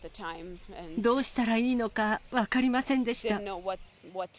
どうしたらいいのか分かりませんでした。